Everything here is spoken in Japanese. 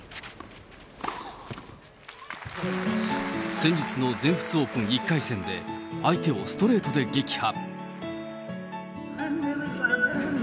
先日の全仏オープン１回戦で相手をストレートで撃破。